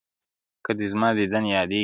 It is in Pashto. كه دي زما ديدن ياديږي~